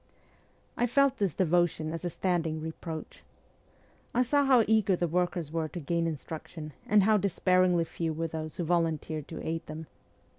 I felt this devotion as a standing reproach. I saw how eager the workers were to gain instruction, and how despairingly few were those who volunteered to aid them.